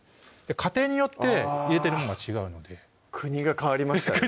家庭によって入れてるものが違うので国が変わりました